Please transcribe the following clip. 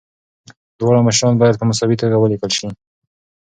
دواړه مشران باید په مساوي توګه ولیکل شي.